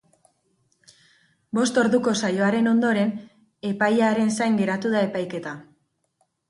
Bost orduko saioaren ondoren, epaiaren zain geratu da epaiketa.